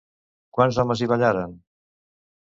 Quants homes hi ballaren?